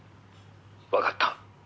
「わかった」